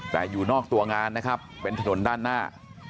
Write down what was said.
แต่อยู่นอกตัวงานนะครับเป็นถนนด้านหน้า